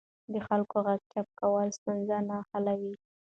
د خلکو غږ چوپ کول ستونزې نه حلوي